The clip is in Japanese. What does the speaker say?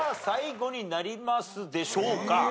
最後になりますでしょうか。